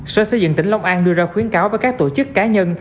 sở xây dựng tỉnh long an đưa ra khuyến cáo với các tổ chức cá nhân